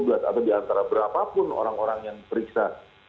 atau di antara berapapun orang orang yang diperiksa